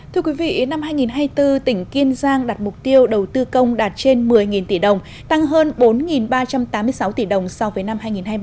thưa quý vị năm hai nghìn hai mươi bốn tỉnh kiên giang đặt mục tiêu đầu tư công đạt trên một mươi tỷ đồng tăng hơn bốn ba trăm tám mươi sáu tỷ đồng so với năm hai nghìn hai mươi ba